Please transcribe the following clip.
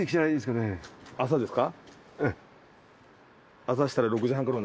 朝ですか？